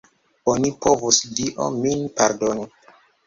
Oni povus, Dio min pardonu!